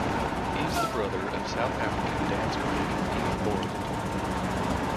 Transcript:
He is the brother of South African dance critic Eve Borland.